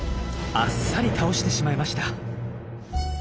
あっさり倒してしまいました。